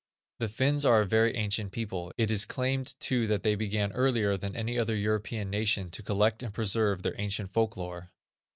The Finns are a very ancient people. It is claimed, too, that they began earlier than any other European nation to collect and preserve their ancient folk lore.